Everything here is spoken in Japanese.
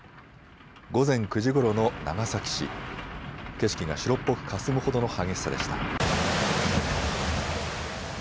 午前９時ごろの長崎市、景色が白っぽくかすむほどの激しさでした。